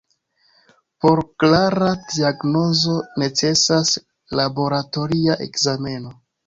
Por klara diagnozo necesas laboratoria ekzameno.